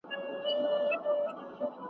سوله باید په هېواد کې ټینګه سي.